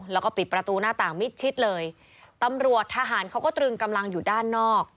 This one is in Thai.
แล้วก็ปิดประตูหน้าต่างมิดชิดเลยตำรวจทหารเขาก็ตรึงกำลังอยู่ด้านนอก